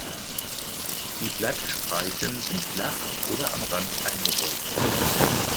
Die Blattspreiten sind flach, oder am Rand eingerollt.